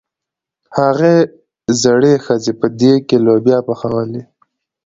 هغې زړې ښځې په دېګ کې لوبیا پخولې.